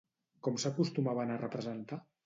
Com s'acostumaven a representar?